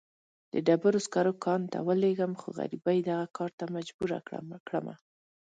د ډبرو سکرو کان ته ولېږم، خو غريبۍ دغه کار ته مجبوره کړمه.